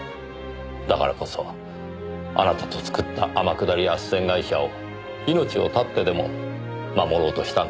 だからこそあなたと作った天下り斡旋会社を命を絶ってでも守ろうとしたんです。